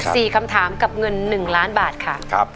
สี่คำถามกับเงินหนึ่งล้านบาทค่ะครับ